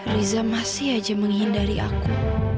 riza masih aja menghindari aku